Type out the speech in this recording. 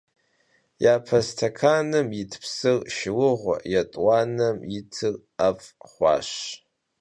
Yape stekanım yit psır şşıuğe, yêt'uanem yitır 'ef' xhuaş.